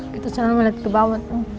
kita selalu melihat ke bawah